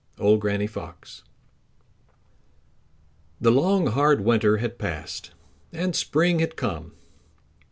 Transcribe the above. —Old Granny Fox. The long hard winter had passed, and Spring had come.